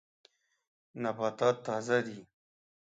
نباتات تازه دي.